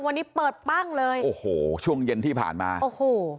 วันนี้เปิดปั้งเลยโอ้โหช่วงเย็นที่ผ่านมาโอ้โห